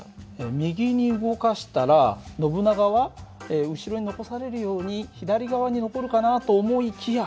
右に動かしたらノブナガは後ろに残されるように左側に残るかなと思いきや